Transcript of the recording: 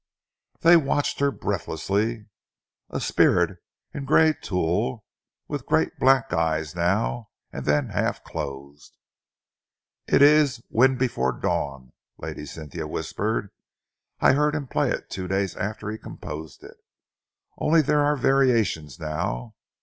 They watched her breathlessly, a spirit in grey tulle, with great black eyes now and then half closed. "It is 'Wind before Dawn,'" Lady Cynthia whispered. "I heard him play it two days after he composed it, only there are variations now.